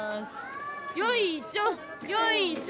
よいしょよいしょ！